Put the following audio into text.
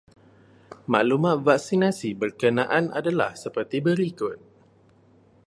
Maklumat vaksinasi berkenaan adalah seperti berikut.